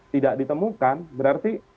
tidak ditemukan berarti